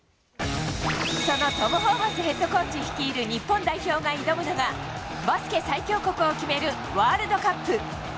そのトム・ホーバスヘッドコーチ率いる日本代表が挑むのが、バスケ最強国を決めるワールドカップ。